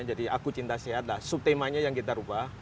jadi aku cinta sehat sub temanya yang kita ubah